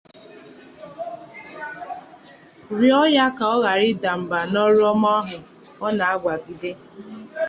rịọ ya ka ọ ghara ịda mbà n'ọrụ ọma ahụ ọ na-abàgide